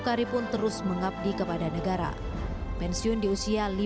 jadi percaya pada diri sendiri